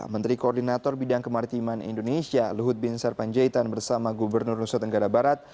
menteri koordinator bidang kemaritiman indonesia luhut bin sarpanjaitan bersama gubernur nusa tenggara barat